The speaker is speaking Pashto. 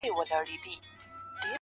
سترگي په خوبونو کي راونغاړه,